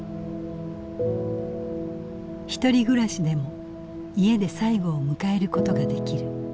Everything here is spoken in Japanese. ひとり暮らしでも家で最期を迎えることができる。